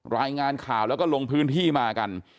รายงานข่าวแล้วก็ลงพื้นที่มากัน